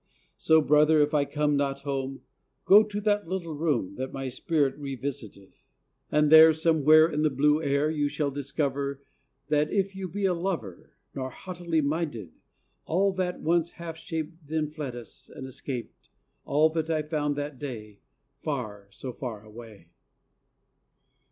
So, Brother, if I come not home, Go to that little room That my spirit revisiteth, and there, Somewhere in the blue air, you shall discover If that you be a lover Nor haughtily minded, all that once half shaped Then fled us, and escaped: All that I found that day, Far, so far away.